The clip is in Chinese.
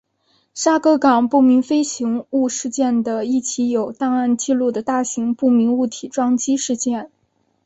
沙格港不明飞行物事件的一起有档案记录的大型不明物体撞击事件。